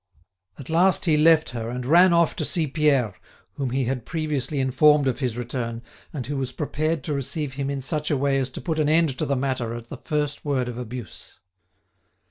At last he left her and ran off to see Pierre, whom he had previously informed of his return, and who was prepared to receive him in such a way as to put an end to the matter at the first word of abuse.